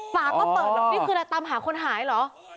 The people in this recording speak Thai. ป่าต้องเปิดเหรอนี่คืออะไรตามหาคนหายเหรอ